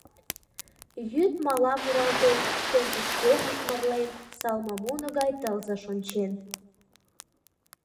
Йӱд мала муралтен, шем пычкемыш, мырлен, салмамуно гай тылзыш ончен.